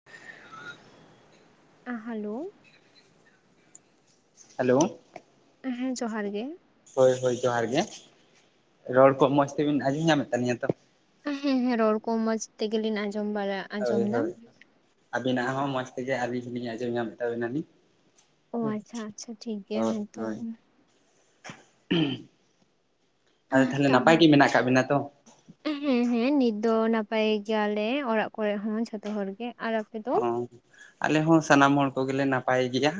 ᱦᱮᱸ ᱱᱚᱣᱟ ᱠᱤ ᱮᱸ ᱦᱟᱞᱳ ᱦᱮᱞᱳ ᱦᱮᱸ ᱡᱚᱦᱟᱨ ᱜᱮ ᱦᱳᱭ ᱦᱳᱭ ᱡᱚᱦᱟᱨ ᱜᱮ ᱨᱚᱲ ᱠᱚ ᱢᱚᱡᱽ ᱛᱮᱵᱤᱱ ᱟᱸᱡᱚᱢ ᱧᱟᱢᱮᱫ ᱛᱟᱹᱞᱤᱧᱟ ᱛᱚ ᱦᱮᱸ ᱦᱮᱸ ᱨᱚᱲ ᱠᱚ ᱢᱚᱸᱡᱽ ᱛᱮᱜᱮᱞᱤᱧ ᱟᱸᱡᱚᱢ ᱵᱟᱲᱟᱜ ᱦᱳᱭ ᱦᱳᱭ ᱟᱹᱵᱤᱱᱟᱜ ᱦᱚᱸ ᱢᱚᱡᱽ ᱛᱮᱜᱮ ᱟᱹᱞᱤᱧ ᱦᱚᱸᱞᱤᱧ ᱟᱸᱡᱚᱢ ᱧᱟᱢ ᱢᱮ ᱛᱟᱵᱤᱱᱟᱞᱤᱧ ᱚ ᱦᱮᱸ ᱟᱪᱪᱷᱟ ᱟᱪᱪᱷᱟ ᱴᱷᱤᱠ ᱜᱮᱭᱟ ᱦᱳᱸ ᱦᱮᱸᱛᱚ ᱦᱳᱭ ᱟᱫᱚ ᱛᱟᱦᱚᱞᱮ ᱛᱟᱢ ᱱᱟᱯᱟᱭ ᱜᱮ ᱢᱮᱱᱟᱜ ᱠᱟᱜ ᱵᱤᱱᱟ ᱛᱚ? ᱦᱮᱸ ᱦᱮᱸ ᱱᱤᱛ ᱫᱚ ᱱᱟᱯᱟᱭ ᱜᱮᱭᱟᱞᱮ ᱚᱲᱟᱜ ᱠᱚᱨᱮ ᱦᱚᱸ ᱡᱷᱚᱛᱚ ᱦᱚᱲ ᱜᱮ ᱟᱨ ᱟᱯᱮ ᱫᱚ ᱚᱸ ᱟᱞᱮ ᱦᱚᱸ ᱥᱟᱱᱟᱢ ᱦᱚᱲ ᱠᱚᱜᱮᱞᱮ ᱱᱟᱯᱟᱭ ᱜᱮᱭᱟ᱾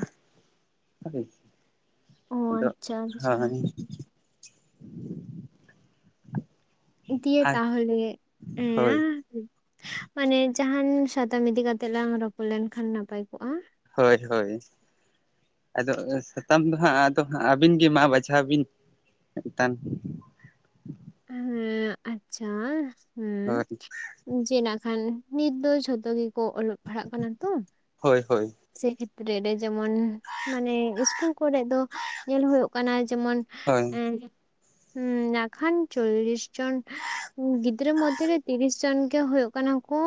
ᱚ ᱟᱫᱚᱜ ᱟᱪᱪᱷᱟ ᱟᱪᱪᱷᱟ ᱦᱚᱭ [inaudible] ᱫᱤᱭᱮ ᱛᱟᱦᱚᱞᱮ ᱮᱧᱟ ᱢᱟᱱᱮ ᱡᱟᱦᱟᱱ ᱥᱟᱛᱟᱢ ᱤᱫᱤ ᱠᱟᱛᱮᱜ ᱞᱟᱝ ᱨᱚᱯᱚᱲ ᱞᱮᱱᱠᱷᱟᱱ ᱱᱟᱯᱟᱭ ᱠᱚᱜᱼᱟ᱾ ᱦᱳᱭ ᱦᱳᱭ ᱟᱫᱚ ᱥᱟᱛᱟᱢ ᱫᱚ ᱦᱟᱸᱜ ᱟᱫᱚ ᱟᱹᱵᱤᱱ ᱜᱮ ᱢᱟ ᱵᱟᱪᱷᱟᱣ ᱵᱤᱱ ᱢᱤᱫ ᱴᱟᱝ ᱦᱮᱸ ᱟᱪᱪᱷᱟ ᱦᱳᱭ ᱡᱮᱱᱟᱜ ᱠᱷᱟᱱ ᱱᱤᱛ ᱫᱚ ᱡᱷᱚᱛᱚ ᱜᱮᱠᱚ ᱚᱞᱚᱜ ᱯᱟᱲᱦᱟᱜ ᱠᱟᱱᱟ ᱛᱚ᱾ ᱦᱳᱭ ᱦᱳᱭ ᱥᱮ ᱠᱷᱮᱛᱨᱮ ᱨᱮ ᱡᱮᱢᱚᱱ ᱢᱟᱱᱮ ᱤᱥᱠᱩᱞ ᱠᱚᱨᱮ ᱫᱚ ᱧᱮᱞ ᱦᱳᱭᱚᱜ ᱠᱟᱱᱟ ᱡᱮᱢᱚᱱ ᱦᱳᱭ ᱮᱸ ᱦᱩᱸ ᱮᱠᱷᱟᱱ ᱪᱚᱞᱞᱤᱥ ᱡᱚᱱ ᱜᱤᱫᱽᱨᱟᱹ ᱢᱚᱫᱽ ᱨᱮ ᱛᱤᱨᱤᱥ ᱡᱚᱱ ᱜᱮ ᱦᱩᱭᱩᱜ ᱠᱟᱱᱟ ᱠᱚ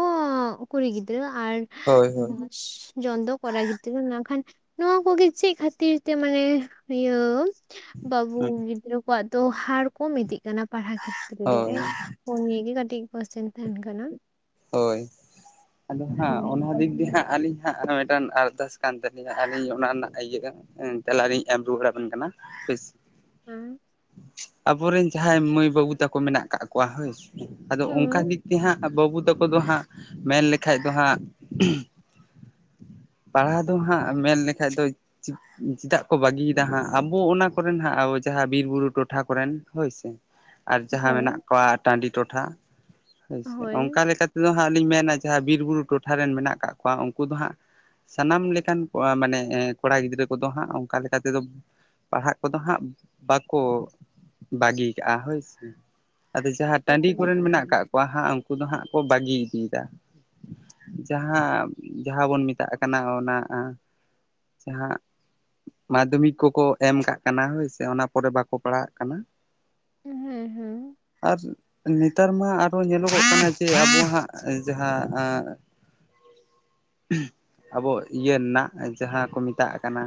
ᱠᱩᱲᱤ ᱜᱤᱫᱽᱨᱟᱹ ᱟᱨ ᱦᱳᱭ ᱫᱚᱥ ᱡᱚᱱ ᱫᱚ ᱠᱚᱨ ᱜᱤᱫᱽᱨᱟᱹᱟᱹ ᱢᱮᱱᱠᱷᱟᱱ ᱱᱚᱶᱟ ᱠᱚᱜᱮ ᱪᱮᱫ ᱠᱷᱟᱹᱛᱤᱨ ᱛᱮ? ᱢᱟᱱᱮ ᱤᱭᱟᱹ ᱵᱟᱹᱵᱩ ᱦᱳᱭ ᱜᱤᱫᱽᱨᱟᱹ ᱠᱚᱣᱟᱜ ᱫᱚ ᱦᱟᱨ ᱠᱚᱢ ᱤᱫᱤᱜ ᱠᱟᱱᱟ ᱯᱟᱲᱦᱟᱣ ᱠᱷᱮᱛᱨᱮ ᱨᱮ ᱦᱳᱭ ᱯᱳᱜᱮᱜ ᱜᱤ ᱠᱟᱹᱴᱤᱡ ᱠᱚᱥᱪᱮᱱ ᱛᱟᱦᱮᱱ ᱠᱟᱱᱟ ᱦᱳᱭ ᱟᱫᱚ ᱦᱟᱸᱜ ᱦᱳᱭ ᱚᱱᱟ ᱫᱤᱠ ᱫᱤᱭᱮ ᱦᱟᱸᱜ ᱟᱹᱞᱤᱧ ᱦᱮᱸ ᱢᱤᱫ ᱴᱟᱝ ᱟᱨᱫᱟᱥ ᱠᱟᱱ ᱛᱟᱞᱤᱧᱟ ᱟᱨᱧ ᱚᱱᱟ ᱨᱮᱱᱟᱜ ᱤᱭᱟᱹ ᱛᱮᱟᱞᱟᱨᱤᱧ ᱮᱢ ᱨᱩᱣᱟᱹᱲ ᱟᱵᱮᱱ ᱠᱟᱱᱟ ᱵᱮᱥ ᱦᱮᱸ ᱟᱵᱚᱨᱮᱱ ᱡᱟᱦᱟᱸᱭ ᱢᱟᱹᱭ ᱵᱟᱹᱵᱩ ᱛᱟᱠᱚ ᱢᱮᱱᱟᱜ ᱠᱟᱜ ᱠᱚᱣᱟ ᱦᱳᱭ ᱟᱫᱚ ᱦᱳᱭ ᱚᱱᱠᱟ ᱫᱤᱠ ᱛᱮ ᱦᱟᱸᱜ ᱵᱟᱹᱵᱩ ᱛᱟᱠᱚ ᱫᱚ ᱦᱟᱸᱜ ᱢᱮᱱ ᱞᱮᱠᱷᱟᱡ ᱫᱚ ᱦᱟᱸᱜ ᱯᱟᱲᱦᱟᱣ ᱫᱚ ᱦᱟᱸᱜ ᱢᱮᱱ ᱞᱮᱠᱷᱟ ᱫᱚᱦᱸ ᱪᱮᱫᱟᱜ ᱠᱚ ᱵᱟᱹᱜᱤᱭᱮᱫᱟ ᱦᱟᱸᱜ ᱟᱵᱚ ᱚᱱᱟ ᱠᱚᱨᱮᱱ ᱦᱟᱸᱜ ᱟᱵᱚ ᱡᱟᱦᱟᱸ ᱵᱤᱨ ᱵᱩᱨᱩ ᱴᱚᱴᱷᱟ ᱠᱚᱨᱮᱱ ᱦᱳᱭ ᱥᱮ [inaudible] ᱟᱨ ᱡᱟᱦᱟᱸ ᱢᱮᱱᱟᱜ ᱠᱚᱣᱟ ᱴᱟᱺᱰᱤ ᱴᱚᱴᱷᱟ ᱦᱮᱥᱮ ᱦᱳᱭ ᱚᱱᱠᱟ ᱞᱮᱠᱟᱛᱮ ᱫᱚ ᱦᱟᱸᱜ ᱞᱤᱧ ᱢᱮᱱᱟ ᱡᱟᱦᱟᱸ ᱵᱤᱨ ᱵᱩᱨᱩ ᱴᱚᱴᱷᱟ ᱨᱮᱱ ᱢᱮᱱᱟᱜ ᱠᱟᱜ ᱠᱚᱣᱟ ᱩᱱᱠᱩ ᱫᱚ ᱦᱟᱸᱜ ᱥᱟᱱᱟᱢ ᱞᱮᱠᱟᱱ ᱢᱟᱱᱮ ᱠᱚᱲᱟ ᱜᱤᱫᱽᱨᱟᱹ ᱠᱚᱫᱚ ᱦᱟᱸᱜ ᱚᱱᱠᱟ ᱞᱮᱠᱟ ᱛᱮᱫᱚ ᱯᱟᱲᱦᱟᱜ ᱠᱚᱫᱚ ᱦᱟᱸᱜ ᱵᱟᱠᱚ ᱵᱟᱹᱜᱤ ᱠᱟᱜᱼᱟ ᱦᱳᱭ ᱥᱮ ᱟᱫᱚ ᱡᱟᱦᱟᱸᱭ ᱴᱟᱺᱰᱤ ᱦᱳᱭ ᱠᱚᱨᱮᱱ ᱢᱮᱱᱟᱜ ᱠᱟᱜ ᱠᱚᱣᱟ ᱦᱟᱸ ᱩᱱᱠᱩ ᱫᱚ ᱦᱟᱸᱜ ᱠᱚ ᱵᱟᱹᱜᱤ ᱤᱫᱤᱭᱮᱫᱟ ᱡᱟᱦᱟᱸ ᱡᱟᱦᱟᱸ ᱵᱚᱱ ᱢᱮᱛᱟᱜ ᱠᱟᱱᱟ ᱚᱱᱟ ᱟᱸ ᱡᱟᱦᱟᱸ ᱢᱟᱫᱽᱫᱷᱚᱢᱤᱠ ᱠᱚᱠᱚ ᱮᱢ ᱠᱟᱜ ᱠᱟᱱᱟ ᱦᱳᱭᱥᱮ ᱚᱱᱟ ᱯᱚᱨᱮ ᱵᱟᱠᱚ ᱯᱟᱲᱦᱟᱜ ᱠᱟᱱᱟ। ᱦᱩᱸ ᱦᱩᱸ ᱟᱨ ᱱᱮᱛᱟᱨ ᱢᱟ ᱟᱨᱚ ᱧᱮᱞᱚᱜᱚᱜ ᱠᱟᱱᱟ ᱡᱮ ᱟᱵᱚ ᱦᱟᱸᱜ ᱡᱟᱦᱟᱸᱼᱼ ᱟᱵᱚ ᱤᱭᱟᱹ ᱱᱟᱜ ᱡᱟᱦᱟᱸ ᱠᱚ ᱢᱮᱛᱟᱜ ᱠᱟᱱᱟᱼᱼ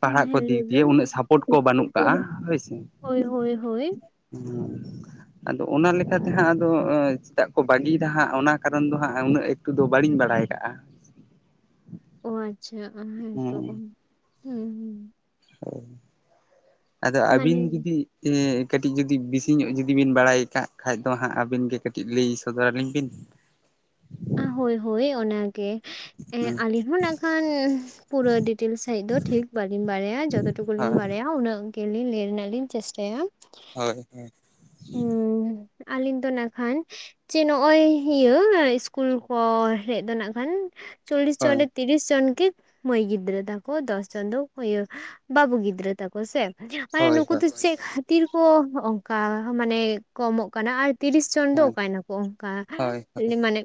ᱯᱟᱲᱦᱟᱜ ᱠᱚ ᱦᱮᱸ ᱫᱤᱠ ᱞᱟᱹᱭ ᱫᱤᱭᱮ ᱵᱤᱱ ᱩᱱᱟᱹᱜ ᱥᱟᱯᱳᱨᱴ ᱠᱚ ᱵᱟᱹᱱᱩᱜ ᱠᱟᱜᱼᱟ ᱦᱳᱭᱥᱮ। ᱦᱳᱭ ᱦᱳᱭ ᱦᱳᱭ ᱦᱩᱸ ᱟᱫᱚ ᱚᱱᱟ ᱞᱮᱠᱟᱛᱮ ᱦᱟᱸᱜ ᱟᱫᱚ ᱪᱮᱫᱟᱜ ᱠᱚ ᱵᱟᱹᱜᱤᱭᱮᱫᱟ ᱦᱟᱸᱜ ᱚᱱᱟ ᱠᱟᱨᱚᱱ ᱫᱚ ᱦᱟᱸᱜ ᱩᱱᱟᱹᱜᱼᱼ ᱛᱚ ᱫᱚ ᱵᱟᱞᱤᱧ ᱵᱟᱲᱟᱭ ᱠᱟᱜᱼᱟ। ᱚ ᱟᱪᱷᱟ ᱦᱮᱸ ᱛᱚ ᱦᱮᱸ ᱦᱮᱸ ᱚ ᱟᱫᱚ ᱟᱹᱵᱤᱱ ᱢᱟᱱᱮ ᱡᱩᱫᱤ ᱦᱮᱸ ᱠᱟᱹᱴᱤᱡ ᱡᱩᱫᱤ ᱵᱮᱥᱤ ᱧᱚᱜ ᱡᱩᱫᱤ ᱵᱤᱱ ᱵᱟᱲᱟᱭ ᱠᱟᱜ ᱠᱷᱟᱡ ᱫᱚ ᱦᱟᱸᱜ ᱟᱹᱵᱤᱱ ᱜᱮ ᱠᱟᱹᱴᱤᱡ ᱞᱟᱹᱭ ᱥᱚᱫᱚᱨ ᱟᱹᱞᱤᱧ ᱵᱤᱱ। ᱦᱳᱭ ᱦᱳᱭ ᱚᱱᱟᱜᱮ ᱮᱸ ᱦᱮᱸ ᱟᱹᱞᱤᱧ ᱦᱚᱸ ᱱᱟᱜᱠᱷᱟᱱᱼᱼ ᱯᱩᱨᱟᱹ ᱰᱤᱴᱮᱞᱥ ᱥᱟᱹᱦᱤᱡ ᱫᱚ ᱴᱷᱤᱠ ᱵᱟᱹᱞᱤᱧ ᱵᱟᱲᱟᱭᱟ ᱡᱚᱛ ᱴᱩᱠᱩᱞᱤᱧ ᱦᱳᱭ ᱵᱟᱲᱟᱭᱟ ᱩᱱᱟᱹᱜᱼᱼ ᱜᱮᱞᱤᱧ ᱞᱟᱭ ᱨᱮᱱᱟᱜ ᱞᱤᱧ ᱪᱮᱥᱴᱟᱭᱟ। ᱦᱳᱭ ᱦᱸ। ᱩᱸ ᱟᱹᱞᱤᱧ ᱫᱚ ᱱᱟᱜᱠᱷᱟᱱ, ᱡᱮ ᱱᱚᱜᱼᱚᱭ ᱤᱭᱟᱹ ᱤᱥᱠᱩᱞ ᱠᱚ ᱦᱮᱡ ᱫᱚ ᱱᱟᱜ ᱠᱷᱟᱱ ᱪᱚᱞᱤᱥ ᱦᱳᱭ ᱪᱚᱞᱤᱛᱼᱼ ᱛᱤᱨᱤᱥᱪᱟᱱ ᱜᱮ ᱢᱟᱹᱭ ᱜᱤᱫᱽᱨᱟᱹ ᱛᱟᱠᱚ ᱫᱚᱥ ᱡᱚᱥ ᱪᱟᱸᱫᱚ ᱤᱭᱟᱹ ᱵᱟᱹᱵᱩ ᱜᱤᱫᱽᱨᱟᱹ ᱛᱟᱠᱚ ᱥᱮ। ᱢᱟᱱᱮ ᱦᱳᱭ ᱱᱩᱠᱩ ᱫᱚ ᱪᱮᱫ ᱠᱷᱟᱹᱛᱤᱨ ᱠᱚ ᱚᱱᱠᱟ ᱢᱟᱱᱮ ᱠᱚᱢᱚᱜ ᱠᱟᱱᱟ ᱟᱨ ᱛᱤᱨᱤᱥ ᱡᱚᱱ ᱫᱚ ᱦᱳᱭ ᱚᱠᱟᱭ ᱱᱟᱠᱚ ᱚᱱᱠᱟ ᱦᱳᱭ ᱢᱟᱱᱮ,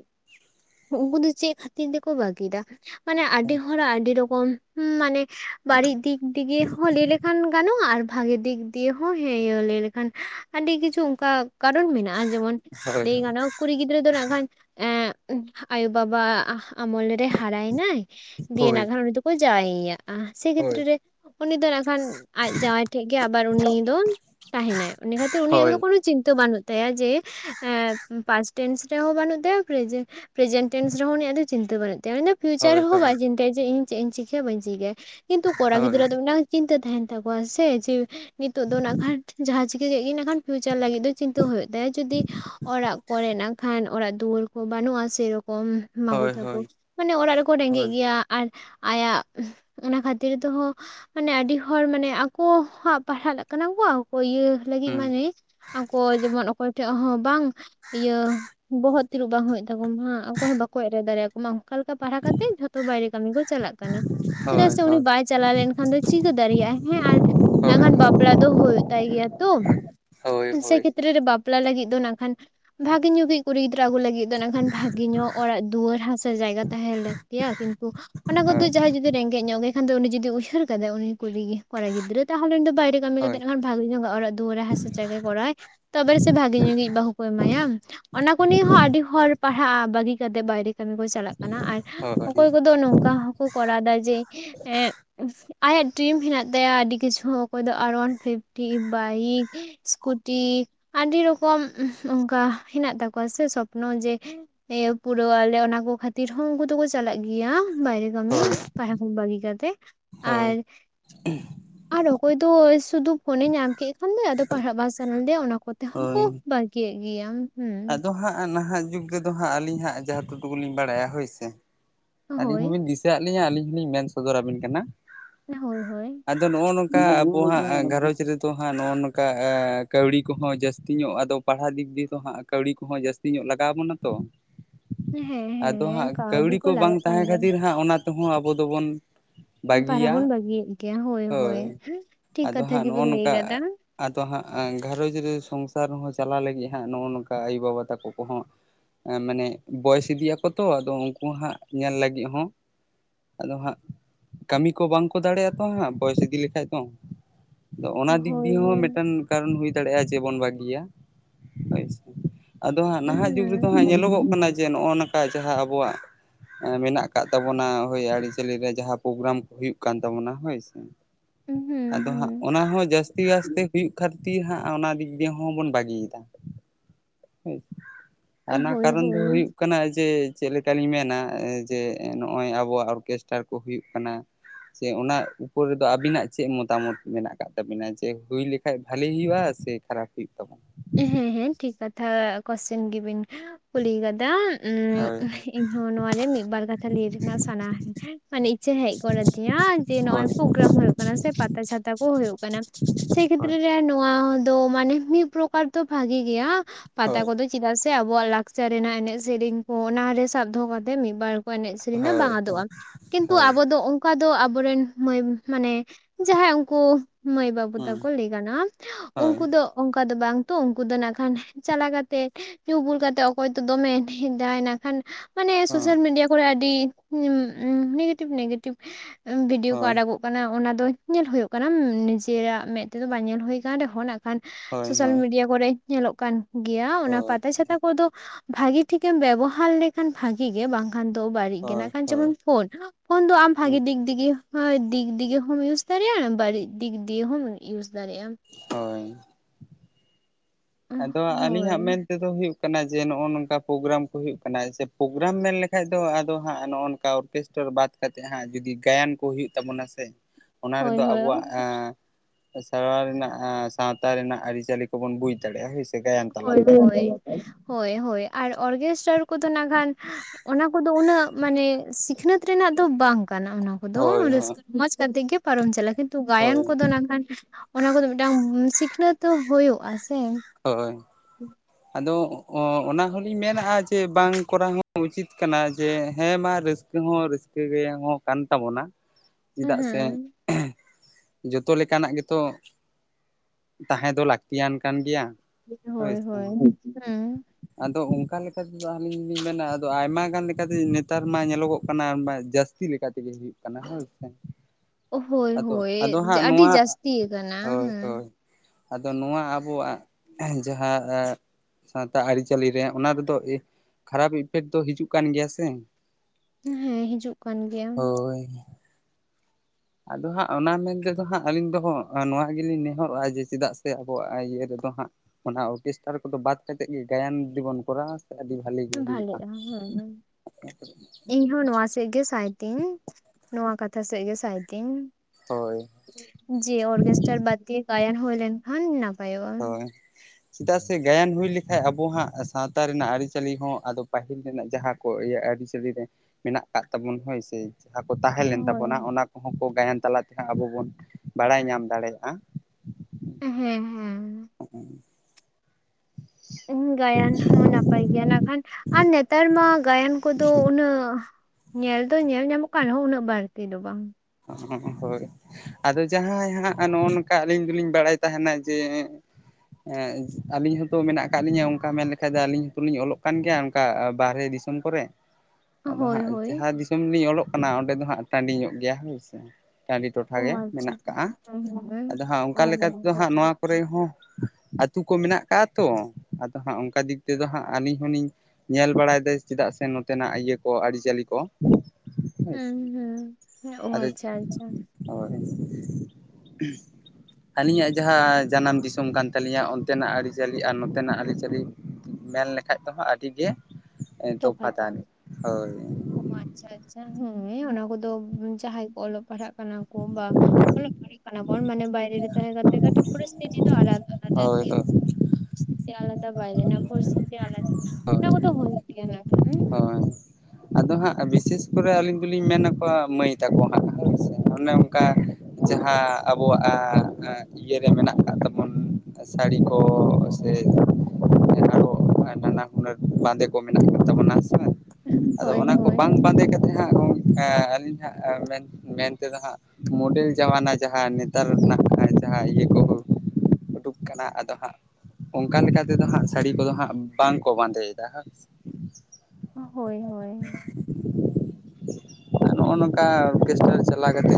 ᱩᱱᱠᱩ ᱫᱚ ᱪᱮᱫ ᱠᱷᱟᱹᱛᱤᱨ ᱛᱮᱠᱚ ᱵᱟᱜᱤᱭᱫᱟ ᱢᱟᱱᱮ ᱟᱹᱰᱤ ᱦᱚᱲᱟᱜ ᱟᱹᱰᱤ ᱨᱚᱠᱚᱢ ᱢᱟᱱᱮᱼᱼ ᱵᱟᱹᱲᱤᱡ ᱫᱤᱠ ᱫᱤᱜᱮ ᱦᱚᱸ ᱞᱟᱹᱭ ᱞᱮᱠᱷᱟᱱ ᱜᱟᱱᱚᱜᱼᱟ ᱟᱨᱼᱼ ᱵᱷᱟᱜᱮ ᱫᱤᱠ ᱫᱤᱭᱮ ᱦᱚᱸ ᱦᱮᱸ ᱤᱭᱟᱹ ᱞᱟᱹᱭ ᱞᱮᱠᱷᱟᱱ ᱟᱹᱰᱤ ᱠᱤᱪᱷᱩ ᱚᱱᱠᱟᱼᱼ ᱠᱟᱨᱚᱱ ᱢᱮᱱᱟᱜᱼᱟ ᱡᱮᱢᱚᱱ ᱦᱳᱭ ᱞᱟᱹᱭ ᱜᱟᱱᱚᱜᱼᱟ ᱠᱩᱲᱤ ᱜᱤᱫᱽᱨᱟᱹ ᱫᱚ ᱱᱟᱜ ᱠᱷᱟᱱᱼᱼ ᱮᱸᱜ ᱟᱭᱩ ᱵᱟᱵᱟ ᱟᱢᱚᱞ ᱨᱮ ᱦᱟᱨᱟᱭ ᱱᱟᱭ ᱫᱤᱭᱮ ᱦᱳᱭ ᱜᱷᱟᱨᱚᱸᱡ ᱫᱚᱼᱼ ᱠᱚ ᱡᱟᱣᱟᱭ ᱮᱭᱟ। ᱥᱮ ᱦᱳᱭ ᱠᱷᱮᱛᱨᱮ ᱨᱮ ᱩᱱᱤ ᱫᱚ ᱱᱟᱜᱠᱷᱟᱱ ᱟᱡ ᱡᱟᱶᱟᱭ ᱴᱷᱮᱡ ᱜᱮ ᱟᱵᱟᱨ ᱩᱱᱤ ᱫᱚ ᱛᱟᱦᱮᱱᱟᱭ ᱩᱱᱤ [inaudible] ᱩᱱᱤᱭᱟᱜ ᱦᱳᱭ ᱫᱚ ᱠᱳᱱᱳ ᱪᱤᱱᱛᱟᱹ ᱵᱟᱹᱱᱩᱜ ᱛᱟᱭᱟ ᱡᱮ ᱮᱸ ᱯᱟᱥ ᱴᱮᱱᱥ ᱨᱮᱦᱚᱸ ᱵᱟᱹᱱᱩᱜ ᱛᱟᱭᱟ ᱯᱨᱮᱡᱮᱱ ᱯᱨᱮᱡᱮᱱᱴᱮᱱᱥ ᱨᱮᱦᱚᱸ ᱩᱱᱤᱭᱟᱜ ᱫᱚ ᱪᱤᱱᱛᱟᱹ ᱵᱟᱹᱱᱩᱜ ᱛᱟᱭᱟ ᱩᱱᱤᱫᱚ ᱯᱷᱤᱭᱩᱪᱟᱨ ᱦᱳᱭ ᱦᱳᱭ ᱨᱮᱦᱚᱸ ᱵᱟᱭ ᱪᱤᱱᱛᱟᱹᱭᱟ ᱡᱮ ᱤᱧ ᱪᱮᱫ ᱤᱧ ᱪᱤᱠᱟᱹᱭᱟ ᱵᱟᱹᱧ ᱪᱤᱠᱟᱹᱭᱟ। ᱠᱤᱱᱛᱩ ᱠᱚᱲᱟ ᱜᱤᱫᱽᱨᱟᱹ ᱫᱚ ᱢᱤᱫᱴᱟᱝ ᱪᱤᱱᱛᱟᱹ ᱛᱟᱦᱮᱱ ᱛᱟᱠᱚᱣᱟ ᱥᱮ ᱡᱮ ᱱᱤᱛᱚᱜ ᱫᱚ ᱱᱟᱜᱽ ᱠᱷᱟᱱ ᱡᱟᱦᱟᱸ ᱪᱤᱠᱟᱹᱠᱮᱜ ᱜᱤᱧ। ᱠᱷᱟᱱ ᱯᱷᱤᱭᱩᱪᱟᱨ ᱞᱟᱹᱜᱤᱫ ᱫᱚ ᱪᱤᱱᱛᱟᱹ ᱦᱩᱭᱩᱜ ᱛᱟᱭᱟ ᱡᱩᱫᱤ ᱚᱲᱟᱜ ᱠᱚᱨᱮᱱᱟᱜ ᱠᱷᱟᱱ ᱚᱲᱟᱜ ᱫᱩᱣᱟᱹᱨ ᱠᱚ ᱵᱟᱹᱱᱩᱜᱼᱟ ᱥᱮ ᱥᱮᱨᱚᱠᱚᱢ। ᱢᱟᱜᱳ ᱦᱳᱭ ᱛᱟᱠᱚ ᱦᱳᱭ ᱢᱟᱱᱮ ᱚᱲᱟᱜ ᱨᱮᱠᱚ ᱨᱮᱸᱜᱮᱡ ᱦᱳᱭ ᱜᱮᱭᱟ᱾ ᱟᱨ ᱟᱭᱟᱜ ᱚᱱᱟ ᱠᱷᱟᱹᱛᱤᱨ ᱛᱮᱦᱚᱸ ᱢᱟᱱᱮ ᱟᱹᱰᱤ ᱦᱚᱲ ᱢᱟᱱᱮ ᱟᱠᱚᱣᱟᱜ ᱯᱟᱲᱦᱟᱜ ᱞᱮᱠᱟᱱᱟ ᱠᱚ ᱤᱭᱟᱹ ᱞᱟᱹᱜᱤᱫ ᱦᱩᱸ ᱢᱟᱱᱮ ᱟᱠᱚ ᱡᱮᱢᱚᱱ ᱚᱠᱚᱭ ᱴᱷᱮᱡ ᱦᱚᱸ ᱵᱟᱝ। ᱤᱭᱟᱹ ᱵᱚᱦᱚᱜ ᱛᱤᱨᱩᱵ ᱵᱟᱝ ᱦᱩᱭᱩᱜ ᱛᱟᱠᱚ ᱢᱟ ᱚᱠᱚᱭ ᱦᱚᱸ ᱵᱟᱠᱚ ᱮᱲᱮ ᱫᱟᱲᱮ ᱭᱟᱠᱚᱣᱟ। ᱱᱚᱝᱠᱟ ᱞᱮᱠᱟ ᱯᱟᱲᱦᱟᱣ ᱠᱷᱟᱛᱤᱨ ᱡᱷᱚᱛᱚ ᱵᱟᱭᱨᱮ ᱠᱟᱹᱢᱤ ᱠᱚ ᱪᱟᱞᱟᱜ ᱠᱟᱱᱟ। ᱪᱮᱫᱟᱜ ᱦᱳᱭ ᱥᱮ ᱩᱱᱤ ᱦᱳᱭ ᱵᱟᱭ ᱪᱟᱞᱟᱣ ᱞᱮᱱᱠᱷᱟᱱ ᱫᱚ ᱪᱤᱠᱟᱹ ᱫᱟᱲᱮᱭᱟᱜᱼᱟ ᱦᱮᱸ ᱟᱨ ᱦᱳᱭ ᱱᱟᱦᱟᱜ ᱵᱟᱯᱞᱟ ᱫᱚ ᱦᱩᱭᱩᱜ ᱛᱟᱭ ᱜᱮᱭᱟ ᱛᱚ ᱦᱳᱭ ᱦᱳᱭ ᱦᱳᱭ ᱥᱮ ᱠᱷᱮᱛᱨᱮ ᱨᱮ ᱵᱟᱯᱞᱟ ᱞᱟᱹᱜᱤᱫ ᱫᱚ ᱱᱟᱜᱠᱷᱟᱱ ᱵᱷᱟᱜᱮ ᱧᱚᱜᱤᱡ ᱠᱩᱲᱤ ᱜᱤᱫᱽᱨᱟᱹ ᱟᱜᱩ ᱞᱟᱹᱜᱤᱫ ᱫᱚ ᱱᱟᱜᱠᱷᱟᱱ ᱵᱷᱟᱜᱮ ᱧᱚᱜ ᱚᱲᱟᱜ ᱫᱩᱣᱟᱹᱨ ᱦᱟᱥᱟ ᱡᱟᱭᱜᱟ ᱛᱟᱦᱮᱱ ᱞᱟ. ᱭᱟ ᱠᱤᱱᱛᱩ ᱚᱱᱟ ᱠᱚᱫᱚ ᱡᱟᱦᱟᱸᱭ ᱡᱩᱫᱤ ᱨᱮᱸᱜᱮᱡ ᱧᱚᱜ ᱜᱮ ᱠᱷᱟᱱ ᱫᱚ ᱩᱱᱤ ᱡᱩᱫᱤ ᱩᱭᱦᱟᱹᱨ ᱠᱟᱫᱟᱭ ᱩᱱᱤ ᱠᱩᱲᱤ ᱜᱤ ᱠᱚᱲᱟ ᱜᱤᱫᱽᱨᱟᱹ ᱛᱟᱦᱮᱸᱞᱮᱱ ᱫᱚ ᱵᱟᱭᱨᱮ ᱠᱟᱹᱢᱤ ᱦᱳᱭ ᱠᱟᱛᱮᱫ ᱨᱮᱦᱚᱸ ᱵᱷᱟᱜᱮ ᱧᱚᱜᱟᱜ ᱚᱲᱟᱜ ᱫᱩᱣᱟᱹᱨᱟᱭ ᱦᱟᱥᱟ ᱡᱟᱭᱜᱟᱭ ᱠᱚᱨᱟᱣᱟᱭ ᱛᱚᱵᱮ ᱥᱮ ᱵᱷᱟᱜᱤ ᱧᱚᱜᱤᱡ ᱵᱟᱦᱩ ᱠᱚ ᱮᱢᱟᱭᱟ। ᱚᱱᱟ ᱠᱚ ᱱᱤᱭᱮ ᱦᱚᱸ ᱟᱹᱰᱤ ᱦᱚᱲ ᱯᱟᱲᱦᱟᱜ ᱵᱟᱹᱜᱤ ᱠᱟᱛᱮ ᱵᱟᱭᱨᱮ ᱠᱟᱹᱢᱤ ᱠᱚ ᱪᱟᱞᱟᱜ ᱠᱟᱱᱟ ᱟᱨ ᱦᱳᱭ ᱚᱠᱚᱭ ᱠᱚᱫᱚ ᱱᱚᱝᱠᱟ ᱦᱚᱸᱠᱚ ᱠᱚᱨᱟᱣ ᱫᱟ ᱡᱮ ᱮᱸᱜ ᱟᱭᱟᱜ ᱰᱨᱤᱢ ᱦᱮᱱᱟᱜ ᱛᱟᱭᱟ ᱟᱹᱰᱤ ᱠᱤᱪᱷᱩ ᱚᱠᱚᱭ ᱫᱚ ᱟᱨᱣᱟᱱ ᱯᱷᱤᱯᱴᱤ ᱵᱟᱭᱤᱠ। ᱤᱥᱠᱩᱴᱤ ᱟᱹᱰᱤ ᱨᱚᱠᱚᱢ ᱚᱱᱠᱟ ᱦᱮᱱᱟᱜ ᱛᱟᱠᱚᱣᱟ ᱥᱮ ᱥᱚᱯᱱᱚ ᱡᱮ ᱯᱩᱨᱟᱹ ᱟᱞᱮ ᱚᱱᱟ ᱠᱚ ᱠᱷᱟᱹᱛᱤᱨ ᱦᱚᱸ ᱩᱱᱠᱩ ᱫᱚᱠᱚ ᱪᱟᱞᱟᱜ ᱜᱮᱭᱟ, ᱵᱟᱭᱨᱮ ᱠᱟᱹᱢᱤ ᱦᱳᱭ ᱯᱟᱲᱦᱟ ᱠᱷᱚᱱ ᱵᱟᱹᱜᱤ ᱠᱟᱛᱮ ᱦᱳᱭ ᱟᱨ ᱟᱨ ᱚᱠᱚᱭ ᱫᱚ ᱥᱩᱫᱷᱩ ᱯᱷᱳᱱᱮ ᱧᱟᱢ ᱠᱮᱫ ᱠᱷᱟᱱ ᱫᱚ, ᱟᱫᱚ ᱯᱟᱲᱦᱟᱜ ᱵᱟᱝ ᱥᱟᱱᱟ ᱞᱮᱭᱟ ᱚᱱᱟ ᱠᱚᱛᱮ ᱦᱚᱸ ᱠᱚ ᱦᱳᱭ ᱵᱟᱹᱜᱤᱭᱮᱫ ᱜᱮᱭᱟ ᱾ ᱟᱫᱚ ᱦᱟᱸᱜ ᱱᱟᱦᱟᱜ ᱡᱩᱜᱽ ᱨᱮᱫᱚ ᱦᱟᱸᱜ ᱟᱹᱞᱤᱧ ᱦᱟᱸᱜ ᱡᱟᱦᱟᱸ ᱴᱩᱠᱩ ᱞᱤᱧ ᱵᱟᱲᱟᱭᱟ ᱦᱳᱭ ᱥᱮ᱾ ᱟᱹᱞᱤᱧ ᱦᱳᱭ ᱦᱚᱵᱤᱱ ᱫᱤᱥᱟᱹᱫ ᱞᱤᱧᱟᱹ ᱟᱹᱞᱤᱧ ᱦᱚᱞᱤᱧ ᱢᱮᱱ ᱥᱚᱫᱚᱨ ᱟᱵᱤᱱ ᱠᱟᱱᱟ? ᱦᱳᱭ ᱦᱳᱭ ᱟᱫᱚ ᱱᱚᱜᱼᱚ ᱱᱚᱝᱠᱟ ᱟᱫᱚ ᱱᱚᱜᱼᱚ ᱟᱵᱚ ᱱᱚᱝᱠᱟ ᱦᱟᱸᱜ ᱟᱵᱚ ᱜᱷᱟᱨᱚᱸᱧᱡᱽ ᱨᱮᱫᱚ, ᱛᱚ ᱦᱟᱸᱜ ᱱᱚᱜᱼᱚ ᱱᱚᱝᱠᱟ ᱠᱟᱹᱣᱰᱤ ᱠᱚᱦᱚᱸ ᱡᱟᱹᱥᱛᱤ ᱧᱚᱜ ᱟᱫᱚ ᱯᱟᱲᱦᱟᱣ ᱫᱤᱠ ᱫᱤᱭᱮᱚ ᱦᱟᱸᱜ ᱠᱟᱹᱣᱰᱤ ᱠᱚᱦᱚᱸ ᱡᱟᱹᱥᱛᱤ ᱛᱤ ᱧᱚᱜ ᱞᱟᱜᱟᱣ ᱵᱚᱱᱟ ᱛᱚ᱾ ᱦᱮᱸ ᱟᱫᱚ ᱦᱮᱸ ᱦᱟᱸᱜ ᱠᱟᱹᱣᱰᱤ ᱠᱚ ᱵᱟᱝ ᱞᱟᱜᱟᱜ ᱠᱟᱱ ᱛᱟᱦᱮᱸ ᱜᱮᱭᱟ ᱠᱷᱟᱹᱛᱤᱨ ᱦᱟᱸᱜ ᱚᱱᱟ ᱛᱮᱦᱚᱸ ᱟᱵᱚ ᱫᱚᱵᱚᱱ ᱯᱟᱲᱦᱟᱜ ᱵᱚᱱ ᱵᱟᱹᱜᱤᱭᱟ ᱵᱟᱹᱜᱤᱭᱮᱫ ᱜᱮᱭᱟ ᱦᱚᱭ ᱦᱚᱭ ᱦᱳᱭ ᱴᱷᱤᱠ ᱟᱫᱚ ᱠᱟᱛᱷᱟ ᱦᱟᱸᱜ ᱱᱚᱜᱼᱚ ᱜᱮᱵᱮᱱ ᱞᱟᱹᱭ ᱱᱚᱝᱠᱟ ᱟᱠᱟᱫᱟ᱾ ᱟᱫᱚ ᱦᱟᱸᱜ ᱜᱷᱟᱨᱚᱸᱡᱽ ᱨᱮ ᱥᱚᱝᱥᱟᱨ ᱦᱚᱸ ᱪᱟᱞᱟᱜ ᱞᱟᱹᱜᱤᱫ ᱦᱟᱸᱜ ᱱᱚᱜᱼᱚ ᱱᱚᱝᱠᱟ ᱟᱭᱼᱵᱟᱵᱟ ᱛᱟᱠᱚ ᱠᱚᱦᱚᱸ, ᱢᱟᱱᱮ ᱵᱚᱭᱮᱥ ᱤᱫᱤᱜ ᱟᱠᱚ ᱛᱚ ᱟᱫᱚ ᱩᱱᱠᱩ ᱦᱟᱸᱜ ᱧᱮᱞ ᱞᱟᱹᱜᱤᱫ ᱦᱚᱸ, ᱟᱫᱚ ᱦᱟᱸᱜ, ᱠᱟᱹᱢᱤ ᱠᱚ ᱵᱟᱝ ᱠᱚ ᱫᱟᱲᱮᱭᱟᱜᱼᱟ ᱛᱚ ᱦᱟᱸᱜ ᱵᱚᱭᱮᱥ ᱤᱫᱤ ᱞᱮᱠᱷᱟᱡ ᱠᱚ, ᱟᱫᱚ ᱚᱱᱟ ᱫᱤᱠ ᱦᱳᱭ ᱫᱤᱭᱮ ᱦᱚᱸ ᱦᱳᱭ ᱢᱤᱫᱴᱟᱱ ᱠᱟᱨᱚᱱ ᱦᱩᱭ ᱫᱟᱲᱮᱭᱟᱜᱼᱟ ᱡᱮᱵᱚᱱ ᱵᱟᱹᱜᱤᱭᱟ, ᱦᱳᱭ ᱟᱫᱚ ᱦᱟᱸᱜ ᱱᱟᱦᱟᱜ ᱡᱩᱜᱽ ᱦᱩᱸ ᱨᱮᱫᱚ ᱦᱟᱸᱜ ᱧᱮᱞᱚᱜᱚᱜ ᱠᱟᱱᱟ ᱡᱮ ᱱᱚᱜᱼᱚᱭ ᱱᱚᱝᱠᱟ ᱡᱟᱦᱟᱸ ᱟᱵᱚᱣᱟᱜ ᱢᱮᱱᱟᱜ ᱠᱟᱜ ᱛᱟᱵᱚᱱᱟ ᱦᱳᱭ ᱟᱹᱨᱤᱪᱟᱞᱞᱤ ᱨᱮ ᱡᱟᱦᱟᱸ ᱯᱨᱳᱜᱨᱟᱢ ᱦᱩᱭᱩᱜ ᱠᱟᱱ ᱛᱟᱵᱚᱱᱟ ᱦᱳᱭᱥᱮ᱾ ᱦᱩᱸ ᱟᱫᱚ ᱦᱟᱜ ᱚᱱᱟ ᱦᱚᱸ ᱡᱟᱹᱥᱛᱤ ᱟᱥᱛᱮ ᱦᱩᱭᱩᱜ ᱠᱷᱟᱹᱛᱤᱨ ᱦᱟᱸᱜ ᱚᱱᱟ ᱫᱤᱠ ᱫᱤᱭᱮ ᱦᱚᱸ ᱵᱚᱱ ᱵᱟᱹᱜᱤᱭᱮᱫᱟ᱾ ᱦᱩᱸ ᱚᱱᱟ ᱦᱳᱭ ᱠᱟᱨᱚᱱ ᱫᱚ ᱦᱩᱭᱩᱜ ᱦᱳᱭ ᱦᱩᱭᱩᱜ ᱠᱟᱱᱟ ᱡᱮ ᱪᱮᱫ ᱞᱮᱠᱟᱞᱤᱧ ᱢᱮᱱᱟ, ᱡᱮ ᱱᱚᱜᱼᱚᱭ ᱟᱵᱚᱣᱟᱜ ᱚᱨᱠᱮᱥᱴᱟᱨ ᱠᱚ ᱦᱩᱭᱩᱜ ᱠᱟᱱᱟ ᱾ ᱥᱮ ᱚᱱᱟ ᱩᱯᱚᱨ ᱨᱮᱫᱚ ᱟᱵᱤᱱᱟᱜ ᱪᱮᱫ ᱢᱚᱛᱟᱢᱚᱛ ᱢᱮᱱᱟᱜ ᱠᱫ ᱛᱟᱵᱤᱱᱟ ᱡᱮ ᱦᱩᱭ ᱞᱮᱠᱟ? ᱵᱷᱟᱞᱤ ᱦᱩᱭᱩᱜᱼᱟ ᱥᱮ ᱠᱷᱟᱨᱟᱯ ᱦᱩᱭᱩᱜ ᱛᱟᱵᱱᱟ? ᱦᱮᱸ ᱦᱮᱸ ᱴᱷᱤᱠ ᱠᱟᱛᱷᱟ ᱠᱚᱥᱪᱮᱱ ᱜᱮᱵᱤᱱ ᱠᱩᱞᱤ ᱟᱠᱟᱫᱟ᱾ ᱦᱳᱭ ᱤᱧ ᱦᱚᱸ ᱱᱚᱣᱟ ᱨᱮ ᱢᱤᱫ ᱵᱟᱨ ᱠᱟᱛᱷᱟ ᱞᱟᱹᱭ ᱨᱮᱱᱟᱜ ᱥᱟᱱᱟ ᱢᱟᱱᱮ ᱦᱮᱡ ᱜᱚᱫ ᱟᱹᱫᱤᱧᱟ ᱡᱮ ᱱᱚᱜ ᱚᱭ ᱦᱳᱭ ᱯᱨᱳᱜᱽᱨᱟᱢ ᱦᱩᱭᱩᱜ ᱠᱟᱱᱟ ᱥᱮ, ᱯᱟᱛᱟ ᱪᱷᱟᱛᱟ ᱪᱷᱟᱛᱟ ᱠᱚ ᱦᱩᱭᱩᱜ ᱠᱟᱱᱟ, ᱪᱷᱮ ᱠᱷᱮᱛᱨᱮ ᱨᱮ ᱱᱚᱣᱟ ᱫᱚ ᱢᱟᱱᱮ [unintelligible] ᱵᱮᱯᱟᱨ ᱫᱚ ᱵᱷᱟᱜᱤ ᱜᱮᱭᱟ, ᱯᱟᱛᱟ ᱦᱳᱭ ᱠᱚᱫᱚ ᱪᱮᱫᱟᱜ ᱥᱮ ᱟᱵᱚᱣᱟᱜ ᱞᱟᱠᱪᱟᱨ ᱨᱮᱱᱟᱜ ᱮᱱᱮᱡ ᱥᱮᱨᱮᱧ ᱠᱚ ᱚᱱᱟ ᱨᱮ ᱥᱟᱵ ᱫᱚᱦᱚ ᱠᱟᱛᱮ, ᱢᱤᱫᱵᱟᱨ ᱮᱱᱮᱡ ᱥᱮᱨᱮᱧ ᱫᱚ ᱦᱳᱭ ᱵᱟᱝ ᱟᱫᱚᱜᱼᱟ, ᱠᱤᱱᱛᱩ ᱦᱳᱭ ᱟᱵᱚ ᱫᱚ ᱚᱠᱟ ᱫᱚ ᱟᱵᱚᱨᱮᱱ ᱢᱟᱹᱭ ᱢᱟᱱᱮ ᱡᱟᱦᱟᱸᱭ ᱩᱱᱠᱩ ᱢᱟᱹᱭ ᱵᱟᱹᱵᱩ ᱦᱳᱭ ᱛᱟᱠᱚ ᱞᱟᱹᱭ ᱠᱟᱱᱟ ᱦᱳᱭ ᱩᱱᱠᱩ ᱫᱚ ᱚᱱᱠᱟ ᱫᱚ ᱵᱟᱝ ᱛᱚ ᱩᱱᱠᱩ ᱫᱚ ᱱᱟᱱᱟᱜᱠᱷᱟᱱ ᱪᱟᱞᱟᱣ ᱠᱟᱛᱮ ᱧᱩᱩ ᱵᱩᱞ ᱠᱟᱛᱮ ᱚᱠᱚᱭ ᱛᱚ ᱫᱚᱢᱮ ᱮᱱᱦᱮᱡ ᱫᱟ ᱱᱟ ᱠᱷᱟᱱ, ᱢᱟᱱᱮ ᱦᱳᱭ ᱥᱳᱥᱟᱞ ᱢᱤᱰᱤᱭᱟ ᱠᱚᱨᱮ ᱟᱹᱰᱤ ᱱᱮᱜᱮᱴᱤᱵᱽ ᱱᱮᱜᱮᱴᱤᱵᱷ ᱵᱷᱤᱰᱭᱳ ᱠᱚ ᱦᱳᱭ ᱟᱲᱟᱜᱚᱜ ᱚᱱᱟ ᱫᱚ ᱧᱮᱞ ᱦᱩᱭᱩᱜ ᱠᱟᱱᱟ ᱱᱤᱡᱮᱨᱟᱜ ᱢᱮᱫ ᱛᱮᱫᱚ ᱵᱟᱝ ᱧᱮᱞ ᱦᱩᱭ ᱟᱠᱟᱱᱟ ᱨᱮᱦᱚᱸ, ᱠᱷᱟᱱ ᱦᱳᱭ ᱦᱳᱭ ᱥᱳᱥᱟᱞ ᱦᱳᱭ ᱢᱤᱰᱤᱭᱟ ᱠᱚᱨᱮ ᱧᱮᱞᱚᱜ ᱠᱟᱱ ᱜᱮᱭᱟ ᱚᱱᱟ ᱦᱳᱭ ᱯᱟᱛᱟ ᱪᱷᱟᱛᱟ ᱛᱟᱠᱚ ᱫᱚ ᱵᱷᱟᱜᱤ ᱴᱷᱤᱠᱮᱢ ᱵᱮᱵᱚᱦᱟᱨ ᱞᱮᱠᱷᱟᱱ ᱵᱷᱟᱜᱤ ᱜᱮ ᱵᱟᱝ ᱠᱷᱟᱱ ᱫᱚ ᱵᱟᱹᱲᱤᱡ ᱜᱮ ᱦᱳᱭ ᱠᱷᱟᱱ ᱡᱮᱢᱚᱱ ᱦᱳᱭ ᱯᱷᱳᱨ ᱯᱷᱳᱱ ᱫᱚ ᱟᱢ ᱵᱷᱟᱜᱤ ᱰᱤᱜᱽ ᱰᱤᱜᱽ ᱦᱚᱭ ᱰᱤᱜᱽ ᱰᱤᱜᱽ ᱰᱤᱜᱮ ᱦᱚᱢ ᱭᱩᱡᱽ ᱫᱟᱲᱮᱭᱟᱜᱼᱟ, ᱵᱟᱹᱲᱤᱡ ᱰᱤᱜᱽ ᱰᱤᱭᱮ ᱦᱚᱢ ᱭᱩᱡᱽ ᱫᱟᱲᱮᱭᱟᱜᱼᱟ ᱾ ᱦᱳᱭ ᱟᱫᱚ ᱟᱹᱞᱤᱧᱟᱜ ᱦᱳᱭ ᱢᱮᱱᱛᱮ ᱫᱚ ᱦᱩᱭᱩᱜ ᱠᱟᱱᱟ ᱡᱮ ᱱᱚᱜᱼᱚ ᱱᱚᱝᱠᱟ ᱯᱨᱳᱜᱨᱟᱢ ᱠᱚ ᱦᱩᱭᱩᱜ ᱠᱟᱱᱟ, ᱡᱮ ᱯᱨᱳᱜᱨᱟᱢ ᱢᱮᱱ ᱞᱮᱠᱷᱟᱡ ᱫᱚ ᱟᱫᱚ ᱦᱟᱸᱜ ᱱᱚᱜᱼᱚ ᱱᱚᱝᱠᱟ ᱚᱨᱠᱮᱥᱴᱟᱨ ᱵᱟᱫᱽ ᱠᱟᱛᱮᱫ ᱦᱟᱸᱜ ᱡᱩᱫᱤ ᱜᱟᱭᱟᱱ ᱠᱚ ᱦᱩᱭᱩᱜ ᱛᱟᱵᱚᱱᱟ ᱥᱮ ᱚᱱᱟ ᱨᱮᱫᱚ ᱦᱳᱭ ᱦᱳᱭ ᱟᱵᱚᱣᱟᱜ ᱥᱮᱨᱣᱟ ᱨᱮᱱᱟᱜ ᱥᱟᱶᱛᱟ ᱨᱮᱱᱟᱜ ᱟᱹᱨᱤᱪᱟᱹᱞᱤ ᱠᱚᱵᱚᱱ ᱵᱩᱡᱽ ᱫᱟᱲᱮᱭᱟᱜ ᱦᱳᱭ ᱥᱮ ᱜᱟᱭᱟᱱ ᱦᱳᱭ ᱛᱟᱞᱟᱛᱮ ᱦᱳᱭ, ᱦᱳᱭ ᱦᱳᱭ ᱟᱨ ᱚᱨᱠᱮᱥᱴᱟᱨ ᱠᱚᱫᱚ ᱱᱟᱜᱟᱱ ᱚᱱᱟ ᱠᱚᱫᱚ ᱩᱱᱟᱹᱜ ᱢᱟᱱᱮ ᱥᱤᱠᱷᱱᱟᱹᱛ ᱨᱮᱱᱟᱜ ᱫᱚ ᱵᱟᱝ ᱠᱟᱱᱟ ᱚᱱᱟ ᱠᱚ᱾ ᱠᱚᱫᱚ ᱦᱳᱭ ᱦᱳᱭ ᱨᱟᱹᱥᱠᱟᱹ ᱢᱚᱡᱽ ᱠᱟᱛᱮ ᱜᱮ ᱯᱟᱨᱚᱢ ᱪᱟᱞᱟᱜᱼᱟ, ᱠᱤᱱᱛᱩ ᱜᱟᱭᱟᱱ ᱦᱳᱭ ᱠᱚᱫᱚ ᱱᱟᱠᱷᱟᱱ ᱚᱱᱟ ᱠᱚᱫᱚ ᱢᱤᱫ ᱴᱟᱝ ᱥᱤᱠᱷᱱᱟᱹᱛ ᱦᱩᱭᱩᱜᱼᱟ ᱥᱮ ᱾ ᱦᱚᱭ ᱟᱫᱚ ᱚ ᱚᱱᱟ ᱦᱚᱸᱞᱤᱧ ᱢᱮᱱᱟᱜᱼᱟ ᱡᱮ ᱵᱟᱝ ᱠᱚᱨᱟᱣ ᱦᱚᱸ ᱩᱪᱤᱛ ᱠᱟᱱᱟ ᱡᱮ ᱦᱮᱸ ᱢᱟ ᱨᱟᱹᱥᱠᱟᱹ ᱦᱚᱸ ᱨᱟᱹᱥᱠᱟᱹ ᱠᱮ ᱜᱮᱭᱮ ᱦᱚᱸ ᱠᱟᱱ ᱛᱟᱵᱚᱱᱟ᱾ [inaudible] ᱪᱮᱫᱟᱜ ᱥᱮ ᱡᱚᱛᱚ ᱞᱮᱠᱟᱱᱟᱜ ᱜᱮᱛᱚ ᱛᱟᱦᱮᱸ ᱫᱚ ᱞᱟᱹᱠᱛᱤᱭᱟᱱ ᱠᱟᱱ ᱜᱮᱭᱟ᱾ ᱦᱚᱭ ᱦᱳᱭ ᱥᱮ ᱦᱚᱭ ᱦᱩᱸ ᱟᱫᱚ ᱚᱱᱠᱟ ᱞᱮᱠᱟ ᱛᱮᱫᱚ ᱟᱹᱞᱤᱧ ᱞᱤᱧ ᱢᱮᱱᱟ ᱟᱫᱚ ᱟᱭᱢᱟ ᱜᱟᱱ ᱞᱮᱠᱟᱛᱮ ᱱᱮᱛᱟᱨ ᱢᱟ ᱧᱮᱞᱚᱜᱚᱜ ᱠᱟᱱᱟ ᱢᱟ ᱡᱟᱹᱥ ᱪᱤ ᱞᱮᱠᱟ ᱛᱮᱜᱤ ᱦᱩᱭᱩᱜ ᱠᱟᱱᱟ ᱦᱚᱭ ᱥᱮ ᱦᱳᱭ ᱟᱫᱚ ᱦᱳᱭ ᱟᱫᱚ ᱦᱟᱸᱜ ᱟᱹᱰᱤ ᱱᱚᱶᱟ ᱡᱟᱹᱥᱛᱤ ᱟᱠᱟᱱᱟ ᱦᱚᱭ ᱦᱮᱸ ᱦᱚᱭ ᱟᱫᱚ ᱱᱚᱣᱟ ᱟᱵᱚᱣᱟᱜ ᱡᱟᱦᱟᱸ ᱥᱟᱶᱛᱟ ᱟᱹᱨᱤᱪᱟᱹᱞᱤ ᱨᱮ ᱚᱱᱟ ᱨᱮᱫᱚ ᱠᱷᱟᱨᱟᱯ ᱤᱯᱷᱮᱠᱴ ᱫᱚ ᱦᱤᱡᱩᱜ ᱠᱟᱱ ᱜᱤᱭᱟᱹ ᱥᱮ ᱾ ᱦᱮᱸ ᱦᱤᱡᱩᱜ ᱠᱟᱱ ᱜᱮᱭᱟᱢ ᱦᱚᱭ ᱟᱫᱚ ᱦᱟᱸᱜ ᱚᱱᱟ ᱢᱮᱱᱛᱮᱫᱚ ᱦᱟᱸᱜ ᱟᱹᱞᱤᱧ ᱫᱚ ᱱᱚᱶᱟ ᱜᱮᱞᱤᱧ ᱱᱮᱦᱚᱨᱚᱜᱼᱟ ᱡᱮ ᱪᱮᱫᱟᱜ ᱥᱮ ᱟᱵᱚᱣᱟᱜ ᱤᱭᱟᱹ ᱨᱮᱫᱚ ᱦᱟᱸᱜ ᱚᱱᱟ ᱚᱨᱜᱮᱥᱴᱟᱨ ᱠᱚᱫᱚ ᱵᱟᱫ ᱠᱟᱛᱮᱫ ᱜᱮ ᱜᱟᱭᱟᱱ ᱡᱩᱫᱤ ᱵᱚᱱ ᱠᱚᱨᱟᱣᱟ ᱟᱹᱰᱤ ᱵᱷᱟᱞᱮ ᱜᱮ ᱦᱩᱭᱩᱜ-ᱟ ᱤᱧ ᱦᱚᱸ ᱱᱚᱶᱟ ᱥᱮᱫ ᱜᱮ ᱥᱟᱭ ᱛᱤᱧ ᱱᱚᱶᱟ ᱠᱟᱛᱷᱟ ᱥᱮᱫ ᱜᱮ ᱥᱟᱭ ᱛᱤᱧ᱾ ᱦᱚᱭ ᱡᱮ ᱚᱨᱜᱮᱥᱴᱟᱨ ᱵᱟ. ᱛᱤ ᱜᱟᱭᱟᱱ ᱦᱩᱭᱞᱮᱱ ᱦᱳᱭ ᱪᱮᱫᱟᱜ ᱥᱮ ᱜᱟᱭᱟᱱ ᱦᱩᱭ ᱞᱮᱠᱷᱟᱡ ᱟᱵᱚ ᱦᱟᱸᱜ ᱥᱟᱶᱛᱟ ᱨᱮᱱᱟᱜ ᱟᱹᱨᱤᱪᱟᱹᱞᱤ ᱦᱚᱸ ᱟᱫᱚ ᱯᱟᱹᱦᱤᱞ ᱨᱮᱱᱟᱜ ᱡᱟᱦᱟᱸ ᱠᱚ ᱤᱭᱟᱹ ᱟᱹᱨᱤᱪᱟᱹᱤ ᱨᱮ ᱢᱮᱱᱟᱜ ᱠᱟᱫ ᱛᱟᱵᱚᱱ ᱦᱚᱭ ᱥᱮ ᱡᱟᱦᱟᱸ ᱠᱚ ᱛᱟᱦᱮᱸᱞᱮᱱ ᱦᱳᱭ᱾ ᱛᱟᱵᱚᱱᱟ ᱚᱱᱟ ᱠᱚᱦᱚᱸ ᱠᱚ ᱜᱟᱭᱟᱱ ᱛᱟᱞᱟᱛᱮ ᱦᱟᱸᱜ ᱟᱵᱚ ᱵᱚᱱ ᱵᱟᱲᱟᱭ ᱧᱟᱢ ᱫᱟᱲᱮᱭᱟᱜᱼᱟ᱾ ᱦᱮᱸ ᱦᱮᱸ [inaudible] ᱦᱩᱸ ᱜᱟᱭᱟᱱ ᱦᱚᱸ ᱱᱟᱯᱟᱭ ᱜᱮᱭᱟ ᱮᱱᱟᱠᱷᱟᱱ ᱟᱨ ᱱᱮᱛᱟᱨ ᱢᱟ ᱜᱟᱭᱟᱱ ᱠᱚᱫᱚ ᱩᱱᱟᱹᱜ ᱧᱮᱞ ᱫᱚ ᱧᱮᱞ ᱧᱟᱢᱚᱜ ᱠᱟᱱ ᱨᱮᱦᱚᱸ ᱩᱱᱟᱹᱜ ᱵᱟᱹᱲᱛᱤ ᱫᱚ ᱵᱟᱝ ᱦᱳᱭ ᱟᱫᱚ ᱡᱟᱦᱟᱸᱭ ᱦᱟᱸᱜ ᱱᱚᱜᱼᱚ ᱱᱚᱝᱠᱟ ᱟᱹᱞᱤᱧ ᱫᱚᱞᱤᱧ ᱵᱟᱲᱟᱭ ᱛᱟᱦᱮᱱᱟ ᱡᱮ ᱮᱸ ᱟᱞᱤᱧ ᱦᱚᱸᱛᱚ ᱢᱮᱱᱟᱜ ᱟᱠᱟᱫ ᱞᱤᱧᱟᱹ ᱚᱱᱠᱟ ᱢᱮᱱ ᱞᱮᱠᱷᱟᱡ ᱫᱚ ᱟᱹᱞᱤᱧ ᱦᱚᱸᱛᱚ ᱞᱤᱧ ᱚᱞᱚᱜ ᱠᱟᱱ ᱜᱮᱭᱟ ᱚᱠᱟ ᱵᱟᱦᱟᱨᱮ ᱫᱤᱥᱚᱢ ᱠᱚᱨᱮ [inaudible] ᱟᱫᱚ ᱦᱟᱸᱜ ᱦᱳᱭ᱾ ᱡᱟᱦᱟᱸ ᱫᱤᱥᱚᱢ ᱨᱮᱞᱤᱧ ᱚᱞᱚᱜ ᱠᱟᱱᱟ ᱚᱸᱰᱮ ᱫᱚ ᱦᱟᱸᱜ ᱴᱟᱺᱰᱤ ᱧᱚᱜ ᱜᱮᱭᱟ ᱦᱳᱭᱥᱮ ᱴᱟᱺᱰᱤ ᱴᱚᱴᱷᱟ ᱚ ᱜᱮ ᱟᱪᱪᱷᱟ ᱢᱮᱱᱟᱜ ᱠᱟᱜᱼᱟ ᱚ ᱦᱩᱸ ᱟᱫᱚ ᱦᱟᱸᱜ ᱚᱱᱠᱟ ᱞᱮᱠᱟ ᱛᱮᱫᱚ ᱦᱟᱸᱜ ᱱᱚᱣᱟ ᱠᱚᱨᱮ ᱦᱚᱸ ᱟᱛ ᱛᱩ ᱠᱚ ᱢᱮᱱᱟᱜ ᱟᱠᱟᱫ ᱛᱚ ᱟᱫᱚ ᱦᱟᱸᱜ ᱚᱱᱠᱟ ᱫᱤᱠ ᱛᱮᱫᱚ ᱦᱟᱸᱜ ᱟᱹᱞᱤᱧ ᱦᱚᱞᱤᱧ ᱧᱮᱞ ᱵᱟᱲᱟᱭ ᱫᱟᱭ ᱪᱮᱫᱟᱜ ᱥᱮ ᱱᱚᱛᱮᱱᱟᱜ ᱤᱭᱟᱹ ᱠᱚ ᱟᱹᱨᱤᱪᱟᱹᱞᱤ ᱠᱚ ᱦᱳᱭ ᱥᱮ ᱦᱩᱸ ᱚ ᱟᱫᱚ ᱟᱪᱪᱷᱟ ᱟᱪᱪᱷᱟ ᱦᱳᱭ ᱥᱮ ᱟᱹᱞᱤᱧᱟᱜ ᱡᱟᱦᱟ ᱡᱟᱱᱟᱢ ᱫᱤᱥᱚᱢ ᱠᱟᱱ ᱛᱟᱹᱞᱤᱧᱟ ᱚᱱᱛᱮᱱᱟᱜ ᱟᱹᱨᱤᱪᱟᱹᱞᱤ ᱟᱨ ᱱᱚᱛᱮᱱᱟᱜ ᱟᱹᱨᱤᱪᱟᱹᱞᱤ ᱢᱮᱱ ᱞᱮᱠᱷᱟᱡ ᱫᱚ ᱦᱟᱸᱜ ᱟᱹᱰᱤ ᱜᱮ ᱛᱚᱯᱷᱟᱛᱟ᱾ ᱦᱳᱭ ᱟᱪᱪᱷᱟ ᱟᱪᱪᱷᱟ ᱦᱮᱸ ᱚᱱᱟ ᱠᱚᱫᱚ ᱡᱟᱦᱟᱸᱭ ᱠᱚ ᱚᱞᱚᱜ ᱯᱟᱲᱦᱟᱜ ᱠᱟᱱᱟ ᱠᱚ, ᱵᱟ ᱚᱞᱚᱜ ᱯᱟᱲᱦᱟᱜ ᱠᱟᱱᱟ ᱵᱚᱱ ᱢᱟᱱᱮ ᱵᱟᱭᱨᱮ ᱨᱮ ᱛᱟᱦᱮᱸ ᱠᱟᱛᱮ ᱠᱟᱹᱴᱤᱡ ᱯᱩᱨᱤᱥᱛᱷᱤᱛᱤ ᱫᱚ ᱟᱞᱟᱫᱟ ᱦᱳᱭ ᱜᱮᱭᱟ ᱦᱳᱭ ᱯᱩᱨᱤᱥᱛᱷᱤᱛᱤ ᱟᱞᱟᱫᱟ ᱵᱟᱭᱨᱮ ᱨᱮᱱᱟᱜ ᱯᱚᱨᱤᱥᱛᱷᱤᱛᱤ ᱟᱞᱟᱫᱟ ᱦᱳᱭ ᱚᱱᱟ ᱠᱚᱫᱚ ᱦᱩᱭ ᱜᱮᱭᱟ ᱱᱟᱜᱠᱷᱟᱱ [inaudible] ᱦᱳᱭ ᱟᱫᱚ ᱦᱟᱸᱜ ᱵᱤᱥᱮᱥ ᱠᱚᱨᱮ ᱟᱹᱞᱤᱧ ᱫᱩᱞᱤᱧ ᱢᱮᱱᱟᱠᱚᱣᱟ ᱢᱟᱹᱭ ᱛᱟᱠᱚ ᱦᱟᱸᱜ ᱦᱳᱭ ᱥᱮ ᱚᱱᱮ ᱚᱱᱠᱟ ᱡᱟᱦᱟᱸ ᱟᱵᱚᱣᱟᱜ ᱤᱭᱟᱹᱨᱮ ᱢᱮᱱᱟᱜ ᱟᱠᱟᱫ ᱛᱟᱵᱚᱱ ᱥᱟᱹᱲᱤ ᱠᱚ ᱥᱮ ᱡᱟᱦᱟᱸ ᱫᱚ ᱱᱟᱱᱟ ᱦᱩᱱᱟᱹᱨ ᱵᱟᱸᱫᱮ ᱠᱚ ᱢᱮᱱᱟᱜ ᱠᱟᱫ ᱛᱟᱵᱚᱱᱟ ᱥᱮ ᱟᱫᱚ ᱦᱳᱭ ᱚᱱᱟ ᱠᱚ ᱦᱳᱭ ᱵᱟᱝ ᱵᱟᱸᱫᱮ ᱠᱟᱛᱮᱫ ᱦᱟᱸᱜ ᱮᱸ ᱟᱹᱞᱤᱧᱟᱜ ᱢᱮᱱ ᱢᱮᱱ ᱛᱮᱫᱚ ᱦᱟᱸᱜ ᱢᱚᱰᱮᱞ ᱡᱟᱢᱟᱱᱟ ᱡᱟᱦᱟᱸ ᱱᱮᱛᱟᱨ ᱨᱮᱱᱟᱜ ᱡᱟᱦᱟᱸ ᱤᱭᱟᱹ ᱠᱚ ᱩᱰᱩᱠ ᱠᱟᱱᱟ ᱟᱫᱚ ᱦᱟᱸᱜ ᱚᱱᱠᱟᱱ ᱞᱮᱠᱟ ᱛᱮᱫᱚ ᱦᱟᱸᱜ ᱥᱟᱹᱲᱤ ᱠᱚᱫᱚ ᱦᱟᱸᱜ ᱵᱟᱝᱠᱚ ᱵᱟᱸᱫᱮᱭᱫᱟ ᱦᱳᱭ ᱥᱮ ᱦᱳᱭ ᱦᱳᱭ ᱱᱚᱜᱼᱚ ᱱᱚᱝᱠᱟ ᱚᱨᱠᱮᱥᱴᱟᱨ ᱪᱟᱞᱟᱣ ᱠᱟᱛᱮ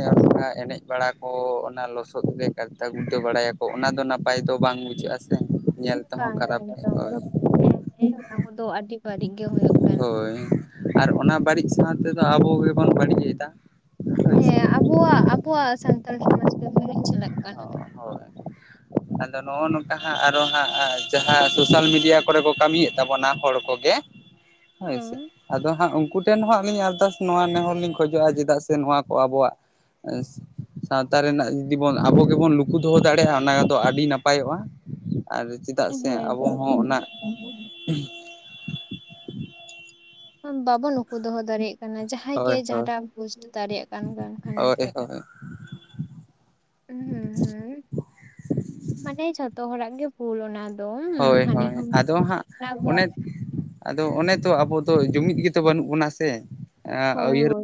ᱮᱱᱮᱡ ᱵᱟᱲᱟ ᱠᱚ ᱚᱱᱟ ᱞᱚᱥᱚᱫ ᱨᱮ ᱜᱟᱲᱫᱟ ᱜᱩᱲᱫᱟᱹ ᱵᱟᱲᱟᱭᱟᱠᱚ ᱚᱱᱟ ᱫᱚ ᱱᱟᱯᱟᱭ ᱫᱚ ᱵᱟᱝ ᱵᱩᱡᱷᱟᱹᱜᱼᱟ ᱥᱮ ᱧᱮᱞ ᱛᱮᱦᱚᱸ ᱵᱟᱝ ᱠᱷᱟᱨᱟᱯ ᱜᱮ ᱱᱤᱛᱚᱝ ᱠᱚ ᱫᱚ ᱦᱮᱸ ᱦᱮᱸ ᱚᱱᱟ ᱠᱚᱫᱚ ᱟᱹᱰᱤ ᱵᱟᱹᱲᱤᱡ ᱜᱮ ᱦᱳᱭᱳᱜ ᱦᱳᱭ ᱟᱨ ᱚᱱᱟ ᱵᱟᱹᱲᱤᱡ ᱥᱟᱶ ᱛᱮᱫᱚ ᱟᱵᱚ ᱜᱮᱵᱚᱱ ᱵᱟᱹᱲᱤᱡ ᱮᱫᱟ ᱦᱳᱭ ᱥᱮ ᱦᱮᱸ ᱟᱵᱚᱣᱟᱜ ᱟᱵᱚᱣᱟᱜ ᱥᱟᱱᱛᱟᱲ ᱥᱚᱢᱟᱡᱽ ᱨᱮ ᱱᱩᱱᱟᱹᱜ ᱪᱟᱞᱟᱜ ᱠᱟᱱ ᱦᱳᱭ ᱟᱫᱚ ᱱᱚᱜᱼᱚ ᱱᱚᱝᱠᱟ ᱦᱟᱸᱜ ᱟᱨᱚ ᱦᱟᱸᱜ ᱡᱟᱦᱟᱸ ᱥᱳᱥᱟᱞ ᱢᱤᱰᱤᱭᱟ ᱠᱚᱨᱮ ᱠᱚ ᱠᱟᱹᱢᱤᱭᱮᱫ ᱛᱟᱵᱚᱱᱟ ᱦᱚᱲ ᱠᱚ [unintelligible] ᱦᱳᱭ ᱥᱮ ᱟᱫᱚ ᱦᱟᱸᱜ ᱩᱱᱠᱩ ᱴᱷᱮᱱ ᱦᱚᱸ ᱟᱹᱞᱤᱧ ᱟᱨᱫᱟᱥ ᱱᱚᱣᱟ ᱱᱮᱦᱚᱨ ᱞᱤᱧ ᱠᱷᱚᱡᱚᱜᱼᱟ ᱪᱮᱫᱟᱜ ᱥᱮ ᱱᱚᱣᱟ ᱠᱚ ᱟᱵᱚᱣᱟᱜ ᱥᱟᱶᱛᱟ ᱨᱮᱱᱟᱜ ᱡᱩᱫᱤ ᱵᱚᱱ ᱟᱵᱚ ᱜᱮᱵᱚᱱ ᱞᱩᱠᱩ ᱫᱚᱦᱚ ᱫᱟᱲᱮᱭᱟᱜᱼᱟ ᱚᱱᱟᱫᱚ ᱟᱹᱰᱤ ᱱᱟᱯᱟᱭᱚᱜᱼᱟ ᱟᱨ ᱪᱮᱫᱟᱜ ᱦᱮᱸ ᱥᱮ ᱦᱮᱸ ᱟᱵᱚ ᱦᱚᱸ ᱚᱱᱟ ᱵᱟᱵᱚᱱ ᱩᱠᱩ ᱫᱚᱦᱚ ᱫᱟᱲᱮᱭᱟᱜ ᱠᱟᱱᱟ ᱡᱟᱼᱼ ᱡᱟᱦᱟᱸᱭ ᱜᱮ ᱦᱳᱭ ᱦᱳᱭ ᱡᱟᱦᱟᱸᱴᱟᱜ ᱯᱳᱥᱴ ᱫᱟᱲᱮᱭᱟᱜ ᱠᱟᱱ ᱠᱷᱟᱱ ᱜᱮ ᱦᱳᱭ ᱦᱩᱸ ᱦᱩᱸ ᱦᱩᱸ, ᱢᱟᱱᱮ ᱡᱷᱚᱛᱚ ᱦᱚᱲᱟᱜ ᱜᱮ ᱵᱷᱩᱞ ᱚᱱᱟ ᱫᱚ ᱦᱳᱭ ᱦᱟᱹᱱᱤ ᱦᱳᱭ ᱦᱚᱸ ᱟᱫᱚ ᱦᱟᱸᱜ ᱚᱱᱮ ᱟᱫᱚ ᱚᱱᱮ ᱛᱚ ᱟᱵᱚ ᱫᱚ ᱡᱩᱢᱤᱫ ᱜᱮᱛᱚ ᱵᱟᱹᱱᱩᱜ ᱵᱚᱱᱟ ᱥᱮ ᱦᱳᱭ ᱩᱭᱦᱟᱹᱨ ᱦᱳᱭ